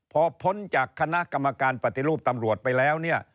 พอพ้นจากคณะกรรมการปฏิรูปตำรวจไปแล้วเนี่ย